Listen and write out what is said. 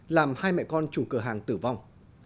làm hai mẹ con chủ cửa hàng tử vong